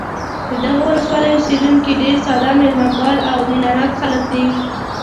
د دغه ولسوالۍ اوسېدونکي ډېر ساده، مېلمه پال او مینه ناک خلک دي.